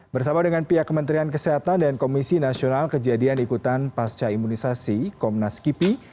bersama dengan pihak kementerian kesehatan dan komisi nasional kejadian ikutan pasca imunisasi komnas kipi